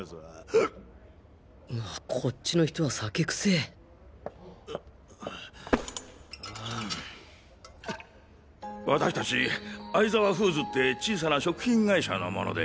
うわこっちの人は酒くせえ私達会澤フーズって小さな食品会社の者で。